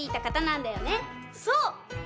そう！